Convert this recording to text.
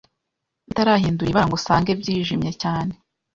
bitarahindura ibara ngo usange byijimye cyane.